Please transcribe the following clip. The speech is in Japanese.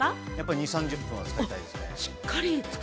２０３０分はつかりたいですね。